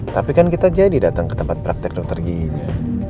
tapi kan kita jadi datang ke tempat praktek dokter giginya